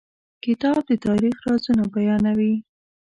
کتاب د تاریخ رازونه بیانوي.